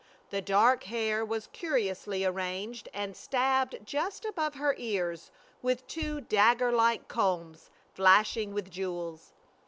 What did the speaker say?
The dark hair was curiously arranged, and stabbed just above her ears with two dagger like combs flashing with jewels.